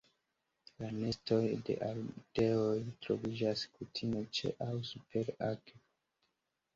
La nestoj de ardeoj troviĝas kutime ĉe aŭ super akvo.